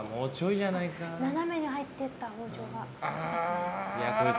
斜めに入っていった、包丁が。